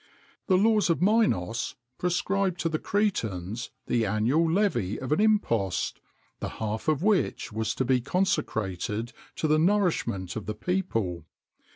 The laws of Minos prescribed to the Cretans the annual levy of an impost, the half of which was to be consecrated to the nourishment of the people.